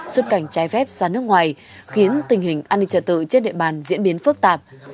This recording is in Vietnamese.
xuất cảnh trái phép ra nước ngoài khiến tình hình an ninh trả tự trên địa bàn diễn biến phức tạp